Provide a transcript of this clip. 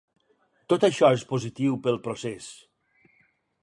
Tot això és positiu pel procés.